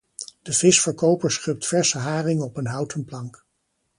De visverkoper schubt verse haring op een houten plank.